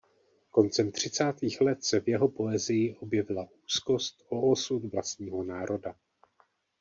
Koncem třicátých let se v jeho poezii objevila úzkost o osud vlastního národa.